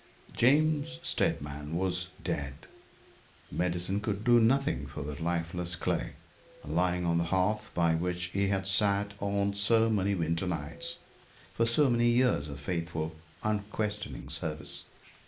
James Steadman was dead. Medicine could do nothing for that lifeless clay, lying on the hearth by which he had sat on so many winter nights, for so many years of faithful unquestioning service.